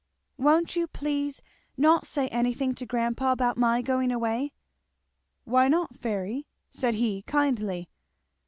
"Won't you please not say anything to grandpa about my going away?" "Why not, Fairy?" said he kindly.